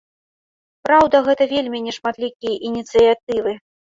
Праўда, гэта вельмі нешматлікія ініцыятывы.